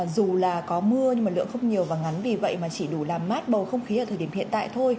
dù là có mưa nhưng mà lượng không nhiều và ngắn vì vậy mà chỉ đủ làm mát bầu không khí ở thời điểm hiện tại thôi